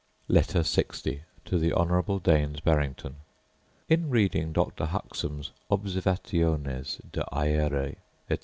Letter LX To The Honourable Daines Barrington In reading Dr. Huxham's Observationes de Aere, etc.